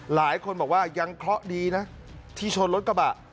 หลายคนบอกว่ายังเคราะห์ดีนะที่ชนรถกระบะ